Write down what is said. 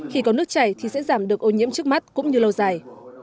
khi có nước chảy thì sẽ giảm được ô nhiễm trước mắt cũng như lâu dài